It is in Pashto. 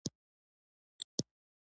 زما ورور روزګان ته تللى دئ.